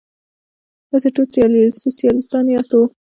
تاسې ټول سوسیالیستان یاست؟ هو.